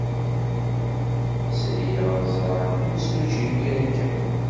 Sriɣ ad ẓreɣ imsujji imir-a kan.